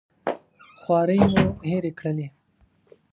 خوارۍ مو هېرې کړلې.